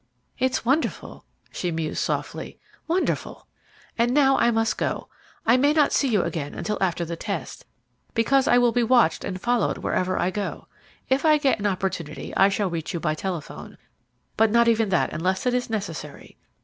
"It's wonderful!" she mused softly. "Wonderful! And now I must go. I may not see you again until after the test, because I shall be watched and followed wherever I go. If I get an opportunity I shall reach you by telephone, but not even that unless it is necessary.